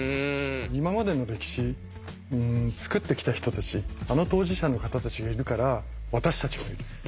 今までの歴史作ってきた人たちあの当事者の方たちがいるから私たちがいる。